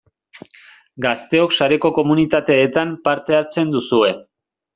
Gazteok sareko komunitateetan parte hartzen duzue.